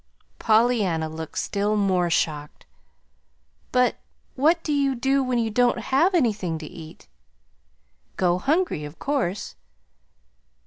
Pollyanna looked still more shocked. "But what do you do when you don't have anything to eat?" "Go hungry, of course."